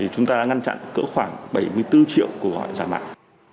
chúng ta đã ngăn chặn cỡ khoảng bảy mươi bốn triệu cuộc gọi giả mạo